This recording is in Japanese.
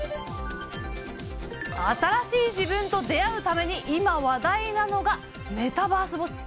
新しい自分と出会うために今話題なのがメタバース墓地。